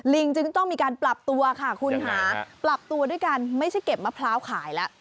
จึงต้องมีการปรับตัวค่ะคุณค่ะปรับตัวด้วยกันไม่ใช่เก็บมะพร้าวขายแล้ว